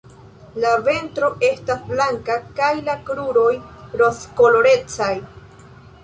La ventro estas blanka kaj la kruroj rozkolorecaj.